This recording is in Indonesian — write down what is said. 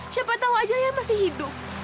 siapa tahu aja ya masih hidup